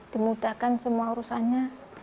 dimudahkan semua urusannya